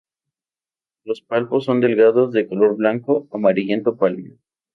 Los palpos son delgados, de color blanco-amarillento pálido.